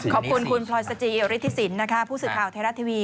ขอบคุณคุณพลอยสจิริฐิสินทร์ผู้สื่อข่าวเทศรัทร์ทีวี